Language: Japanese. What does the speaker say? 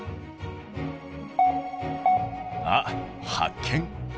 あっ発見。